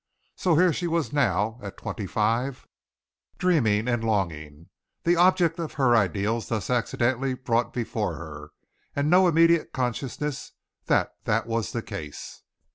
So here she was now at twenty five, dreaming and longing the object of her ideals thus accidentally brought before her, and no immediate consciousness that that was the case.